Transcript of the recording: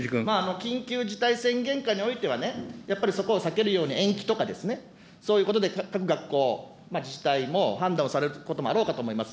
緊急事態宣言下においてはね、やっぱりそこを避けるように延期とか、そういうことで各学校、自治体も判断をされることもあろうかと思います。